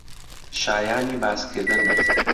شایانی باسکردن بێت